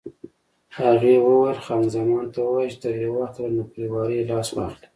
هغې وویل: خان زمان ته ووایه چې تر یو وخته له نوکرېوالۍ لاس واخلي.